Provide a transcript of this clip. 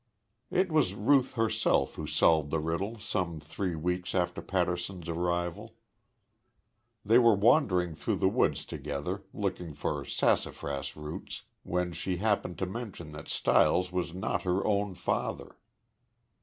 It was Ruth herself who solved the riddle some three weeks after Patterson's arrival. They were wandering through the woods together, looking for sassafras roots, when she happened to mention that Stiles was not her own father.